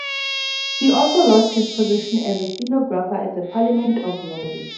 He also lost his position as a stenographer at the Parliament of Norway.